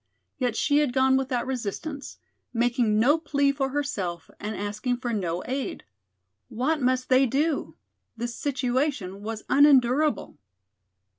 Yet she had gone without resistance, making no plea for herself and asking for no aid. What must they do? The situation was unendurable.